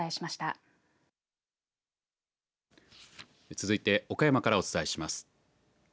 続いて岡山からお伝えします。